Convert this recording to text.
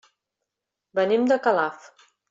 Venim de Calaf.